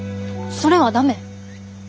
それは駄目。